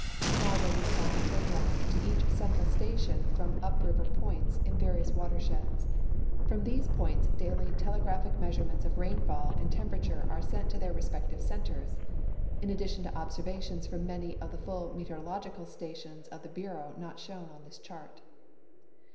Small radial lines are drawn to each central station from uj) river points in the various watersheds ; from these points daily telegraphic measurements of rainfall and temperature are sent to their respective centers, in addition to observations from many of the full meteorological stations of the Bureau not shown on this chart.